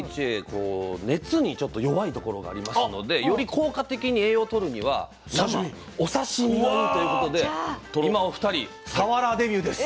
熱にちょっと弱いところがありますのでより効果的に栄養をとるには生お刺身がいいということで今お二人サワラーデビューです。